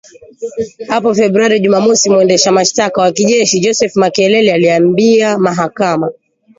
hapo Februari Jumamosi mwendesha mashtaka wa kijeshi Joseph Makelele aliiambia mahakama